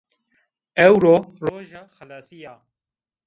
Ewro roja xelasî ya